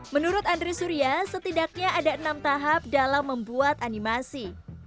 menurut andri surya setidaknya ada enam tahap dalam membuat animasi